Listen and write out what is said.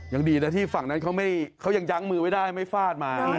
ยังดีนะที่ฝั่งนั้นเขายังยั้งมือไว้ได้ไม่ฟาดมา